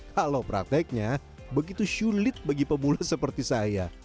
kalau prakteknya begitu sulit bagi pemula seperti saya